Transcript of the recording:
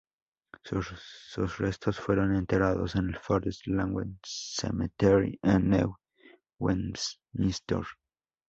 Sus restos fueron enterrados en el Forest Lawn Cemetery, en New Westminster.